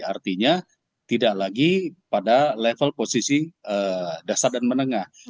artinya tidak lagi pada level posisi dasar dan menengah